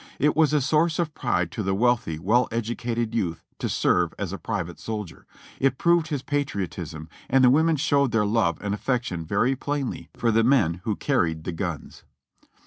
It was a source of pride to the wealthy, well educated youth to serve as a private soldier. It proved his patriotism, and the women showed their love and affection very plainly for the men who carried the guns.